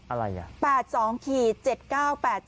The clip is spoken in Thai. อะไรอ่ะ